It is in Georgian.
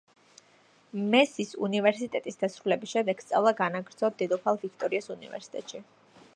მესის უნივერსიტეტის დასრულების შემდეგ სწავლა განაგრძო დედოფალ ვიქტორიას უნივერსიტეტში.